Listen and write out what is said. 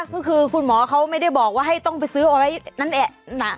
ก็คือคุณหมอเขาไม่ได้บอกว่าให้ต้องไปซื้อเอาไว้นั่นแหละ